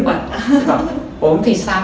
bảo ốm thì sao